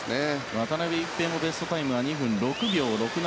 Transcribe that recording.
渡辺一平のベストタイムは２分６秒６７。